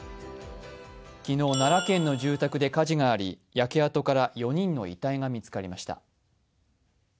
昨日、奈良県の住宅で火事があり焼け跡から４人の遺体が見つかりました。